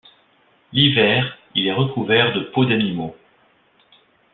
L'hiver, il est recouvert de peau d'animaux.